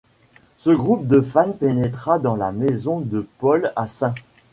Ce groupe de fans pénétra dans la maison de Paul à St.